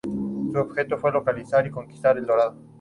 Su objetivo fue localizar y conquistar El Dorado.